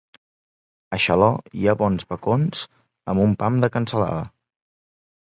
A Xaló hi ha bons bacons amb un pam de cansalada.